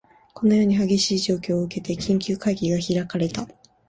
このような厳しい状況を受けて、緊急会議が開かれた